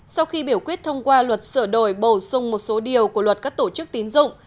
sau khi biểu quyết thông qua luật sửa đổi bổ sung một số điều của luật các tổ chức tín dụng